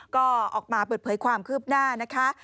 ก็ออกมาเปิดเผยความคืบหน้านะคะ